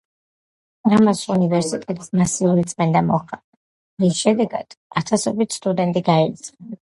ამას უნივერსიტეტის მასიური წმენდა მოჰყვა, რის შედეგად ათასობით სტუდენტი გაირიცხა.